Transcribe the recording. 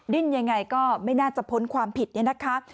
ดิ้นยังไงก็ไม่น่าจะพ้นความผิดเนี่ยนะคะ